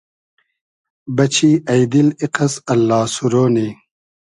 بئچی اݷ دیل ایقئس اللا سورۉ نی